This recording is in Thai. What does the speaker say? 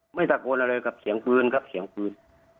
ไม่ตะโกนอะไรกับเสียงปืนครับเสียงปืน